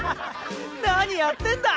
何やってんだ。